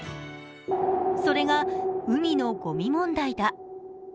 それが、海のごみ問題だ。